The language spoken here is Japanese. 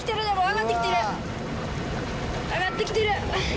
あがってきてる。